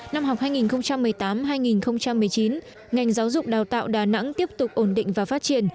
năm học hai nghìn một mươi tám hai nghìn một mươi chín ngành giáo dục đào tạo đà nẵng tiếp tục ổn định và phát triển